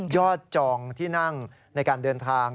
จองที่นั่งในการเดินทาง